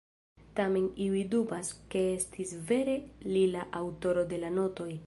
Tamen iuj dubas, ke estis vere li la aŭtoro de la notoj.